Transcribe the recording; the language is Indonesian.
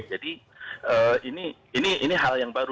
jadi ini hal yang baru